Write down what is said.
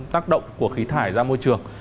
tác động của khí thải ra môi trường